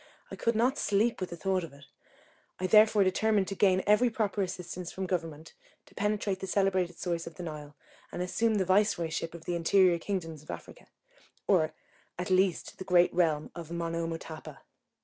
I could not sleep with the thoughts of it; I therefore determined to gain every proper assistance from Government to penetrate the celebrated source of the Nile, and assume the viceroyship of the interior kingdoms of Africa, or, at least, the great realm of Monomotapa.